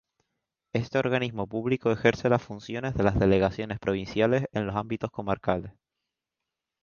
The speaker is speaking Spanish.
Este organismo público ejerce las funciones de las Delegaciones Provinciales en los ámbitos comarcales.